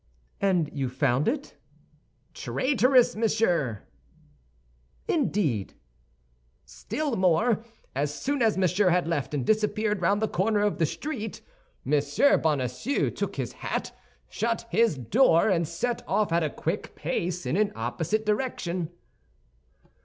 "And you found it?" "Traitorous, monsieur." "Indeed!" "Still more; as soon as Monsieur had left and disappeared round the corner of the street, Monsieur Bonacieux took his hat, shut his door, and set off at a quick pace in an opposite direction."